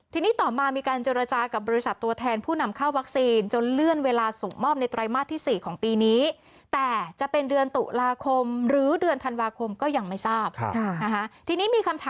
ทีนี้ต่อมามีการจรจากับบริษัทตัวแทนผู้นำเข้าวัคซีน